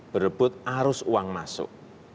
berebut arus uang masuk